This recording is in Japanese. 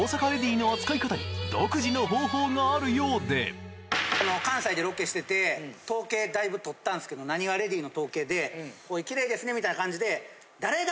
さらにあの関西でロケしてて統計だいぶとったんすけどなにわレディの統計で「綺麗ですね」みたいな感じで。